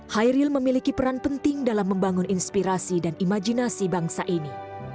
hairil memiliki peran penting dalam membangun inspirasi dan imajinasi bangsa ini